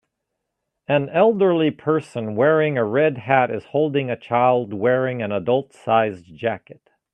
An elderly person wearing a red hat is holding a child wearing an adult sized jacket.